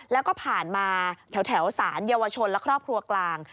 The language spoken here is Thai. แล้วก็ผ่านมาแถวสารเยาวชนและครอบครัวกลาง